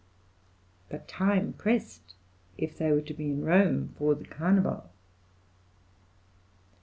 But time pressed, if they were to be in Rome for the carnival.